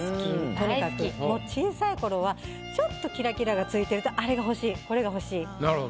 小さい頃はちょっとキラキラがついてるとあれが欲しいこれが欲しいつけたい。